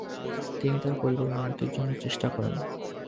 তিনি তার পরিবারের উন্নতির জন্য চেষ্টা করেন।